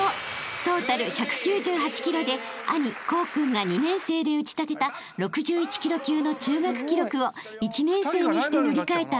［トータル１９８ｋｇで兄功君が２年生で打ち立てた６１ｋｇ級の中学記録を１年生にして塗り替えた歩君］